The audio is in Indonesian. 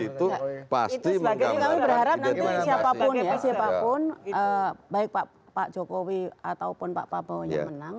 itu sebagai kami berharap nanti siapapun ya siapapun baik pak jokowi ataupun pak prabowo yang menang